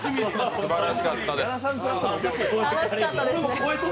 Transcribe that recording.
すばらしかったです。